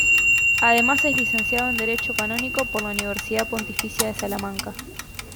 Además es licenciado en Derecho Canónico por la Universidad Pontificia de Salamanca.